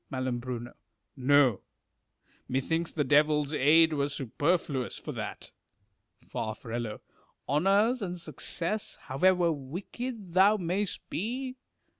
Hal No: methinks the devil's aid were superfluous for that. Far. Honours and success, however wicked thou mayst be